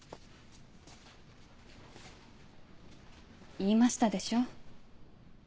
言いましたでしょ？